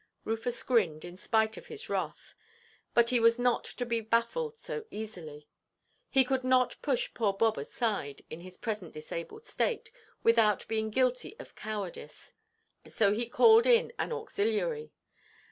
Rufus grinned, in spite of his wrath; but he was not to be baffled so easily. He could not push poor Bob aside, in his present disabled state, without being guilty of cowardice. So he called in an auxiliary.